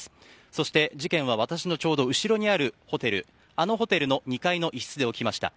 そして事件は私のちょうど後ろにあるホテルの２階の一室で起きました。